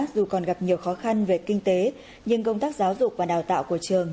dù còn gặp nhiều khó khăn về kinh tế nhưng công tác giáo dục và đào tạo của trường